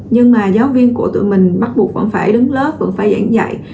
nhưng mà giáo viên của tụi mình bắt buộc vẫn phải đứng lớp vẫn phải giảng dạy